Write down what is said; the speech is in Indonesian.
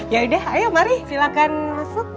yaudah ayo mari silahkan masuk